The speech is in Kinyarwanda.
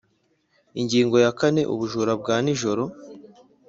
Ingingo ya kane Ubujura bwa nijoro